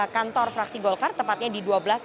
kantor fraksi golkar tepatnya di seribu dua ratus tiga